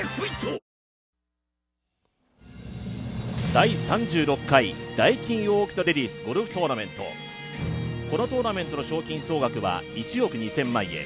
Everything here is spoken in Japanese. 第３６回ダイキンオーキッドレディスゴルフトーナメントこのトーナメントの賞金総額は１億２０００万円。